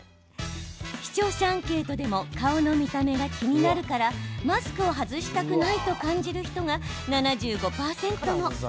視聴者アンケートでも顔の見た目が気になるからマスクを外したくないと感じる人が７５％も。